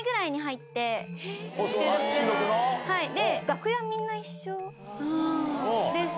楽屋、みんな一緒です。